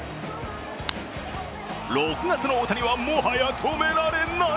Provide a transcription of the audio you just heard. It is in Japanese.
６月の大谷はもはや止められない。